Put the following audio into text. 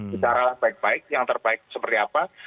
bicaralah baik baik yang terbaik seperti apa